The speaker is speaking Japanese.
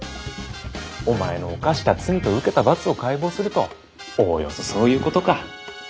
お前の犯した罪と受けた罰を解剖するとおおよそそういうことか？